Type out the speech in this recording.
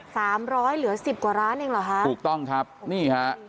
สามร้อยเหลือสิบกว่าร้านเองเหรอฮะถูกต้องครับนี่ฮะ